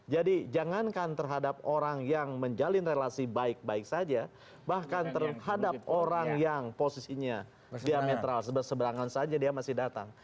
jadi jangankan terhadap orang yang menjalin relasi baik baik saja bahkan terhadap orang yang posisinya diametral berseberangan saja dia masih datang